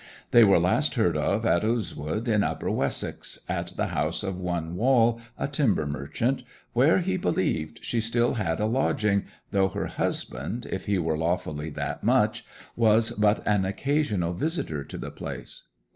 They were last heard of at Oozewood, in Upper Wessex, at the house of one Wall, a timber merchant, where, he believed, she still had a lodging, though her husband, if he were lawfully that much, was but an occasional visitor to the place.